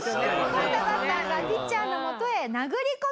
怒ったバッターがピッチャーのもとへ殴り込みに！